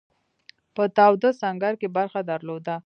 په تاوده سنګر کې برخه درلوده.